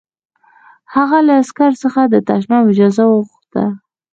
هغه له عسکر څخه د تشناب اجازه وغوښته